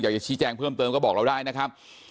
อยากจะชี้แจงเพิ่มเติมก็บอกเราได้นะครับ